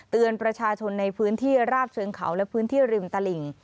เตือนประชาชนในพื้นที่ราบเชิงเขาและพื้นที่ริมตลิ่ง